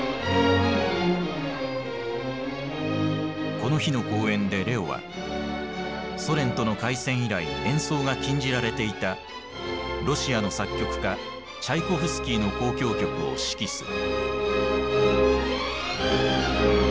この日の公演でレオはソ連との開戦以来演奏が禁じられていたロシアの作曲家チャイコフスキーの交響曲を指揮する。